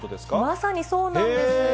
まさにそうなんです。